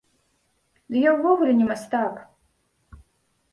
Ды я ўвогуле не мастак!